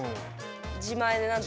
自前で何とか。